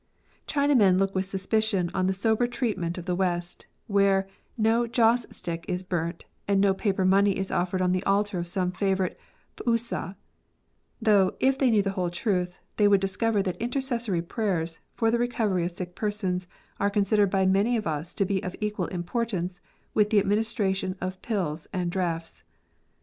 Chinamen look with suspicion on the sober treat ment of the West, where no joss stick is burnt, and no paper money is offered on the altar of some favourite P'u sa ; though, if they knew the whole truth, they would discover that intercessory prayers for the recovery of sick persons are considered by many of us to be of equal importance with the admini stration of pills and draughts.